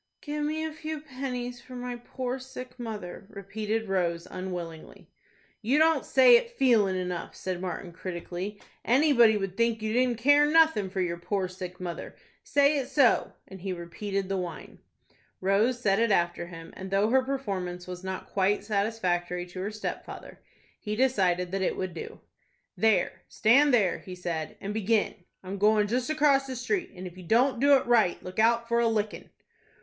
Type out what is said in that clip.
"Give me a few pennies for my poor sick mother," repeated Rose, unwillingly. "You don't say it feelin' enough," said Martin, critically. "Anybody would think you didn't care nothin' for your poor sick mother. Say it so;" and he repeated the whine. Rose said it after him, and though her performance was not quite satisfactory to her stepfather, he decided that it would do. "There, stand there," he said, "and begin. I'm goin' just across the street, and if you don't do it right, look out for a lickin'."